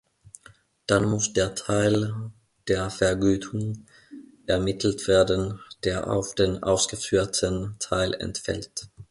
Dann muss der Teil der Vergütung ermittelt werden, der auf den ausgeführten Teil entfällt.